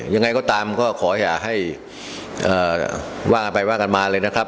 ยังไงก็ตามก็ขออยากให้ว่ากันไปว่ากันมาเลยนะครับ